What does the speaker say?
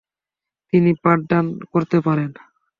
তিনি পাঠদান করতে থাকেন।